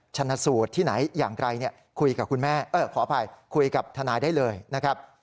ชนสูตรที่ไหนอย่างไกลคุยกับทนายได้เลยนะครับ